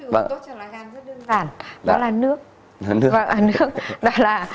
thức uống tốt cho la gan rất đơn giản đó là nước